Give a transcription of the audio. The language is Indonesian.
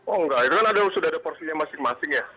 oh enggak itu kan sudah ada porsinya masing masing ya